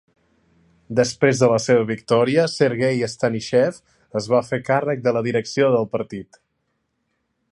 Després de la seva victòria, Sergei Stanishev es va fer càrrec de la direcció del partit.